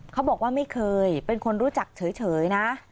เขาบอกว่าไม่เคยเป็นคนรู้จักเฉยนะ